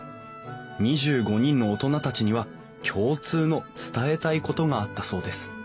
２５人の大人たちには共通の伝えたいことがあったそうです